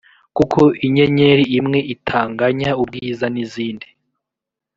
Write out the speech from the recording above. kuko inyenyeri imwe itanganya ubwiza n’izindi